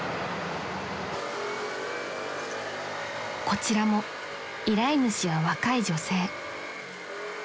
［こちらも依頼主は若い女性］